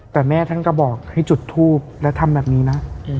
แต่แม่ท่านก็บอกให้จุดทูปและทำแบบนี้นะ